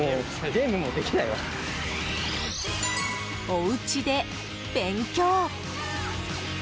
おうちで勉強。